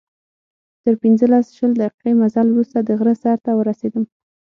تر پنځلس، شل دقیقې مزل وروسته د غره سر ته ورسېدم.